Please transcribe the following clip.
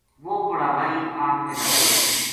وہ بُڑاوائی آن کے ڈاکٹر